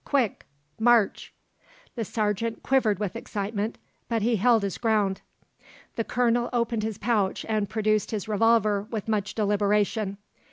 Quick march!" The sergeant quivered with excitement; but he held his ground. The Colonel opened his pouch and produced his revolver with much deliberation.